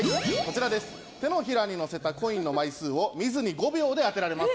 手のひらにのせたコインの枚数を見ずに５秒で当てられます。